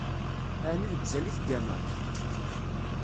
Ɛni deg uzal i tegganeḍ?